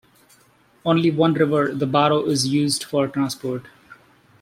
Only one river, the Baro is used for transport.